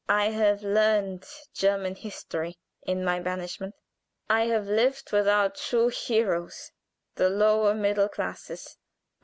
I have learned German history in my banishment. I have lived with our trues heroes the lower middle classes."